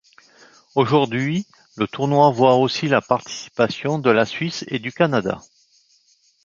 Aujourd'hui, le tournoi voit aussi la participation de la Suisse et du Canada.